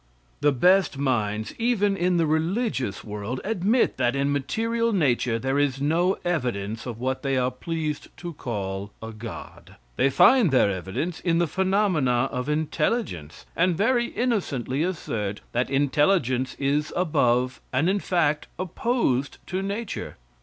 The best minds, even in the religious world, admit that in material nature there is no evidence of what they are pleased to call a god. They find their evidence in the phenomena of intelligence, and very innocently assert that intelligence is above, and in fact, opposed to nature.